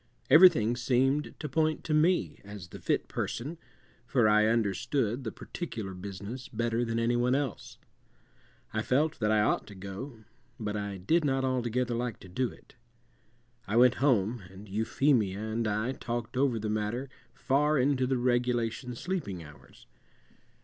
Everything seemed to point to me as the fit person, for I understood the particular business better than any one else. I felt that I ought to go, but I did not altogether like to do it. I went home, and Euphemia and I talked over the matter far into the regulation sleeping hours.